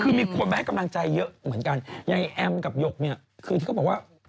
คือมีคนมาให้กำลังใจเยอะเหมือนกันยายแอมกับหยกเนี่ยคือที่เขาบอกว่า